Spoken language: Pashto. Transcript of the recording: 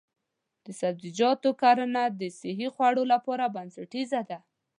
د سبزیجاتو کرنه د صحي خوړو لپاره بنسټیزه ده.